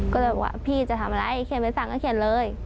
ก็เลยบอกว่าพี่จะทำอะไรเขียนใบสั่งก็เขียนเลย